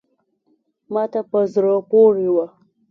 ما ته په زړه پوري وه …